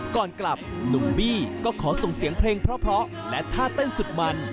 ก่อนกลับหนุ่มบี้ก็ขอส่งเสียงเพลงเพราะและท่าเต้นสุดมัน